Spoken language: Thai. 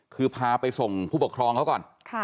คือพาไปส่งผู้ปกครองเขาก่อน